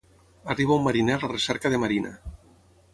Arriba un mariner a la recerca de Marina.